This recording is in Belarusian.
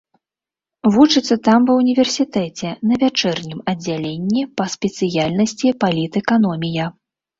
Вучыцца там ва універсітэце, на вячэрнім аддзяленні па спецыяльнасці палітэканомія.